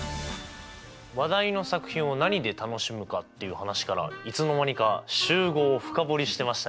話題の作品を何で楽しむか？っていう話からいつの間にか集合を深掘りしてましたね。